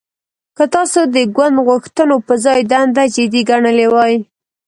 که تاسو د ګوند غوښتنو پر ځای دنده جدي ګڼلې وای